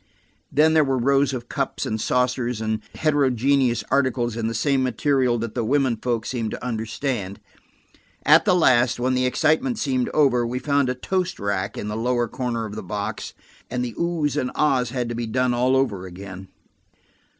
Then there were rows of cups and saucers, and heterogeneous articles in the same material that the women folk seemed to understand. At the last, when the excitement seemed over, they found a toast rack in a lower corner of the box and the "Ohs" and "Ahs" had to be done all over again.